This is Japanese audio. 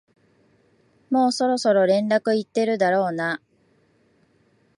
もうそろそろ連絡行ってるだろうな